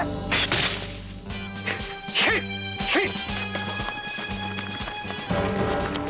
ひけいひけい！